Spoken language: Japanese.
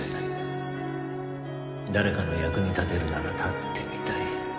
「誰かの役に立てるなら立ってみたい」